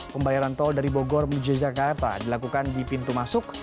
pembayaran tol dari bogor menuju jakarta dilakukan di pintu masuk